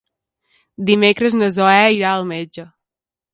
Dimecres na Zoè irà al metge.